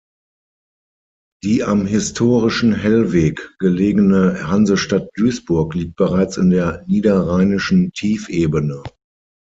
Die am historischen Hellweg gelegene Hansestadt Duisburg liegt bereits in der Niederrheinischen Tiefebene.